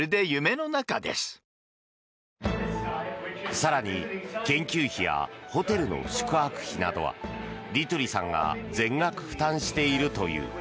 更に研究費やホテルの宿泊費などはディトゥリさんが全額負担しているという。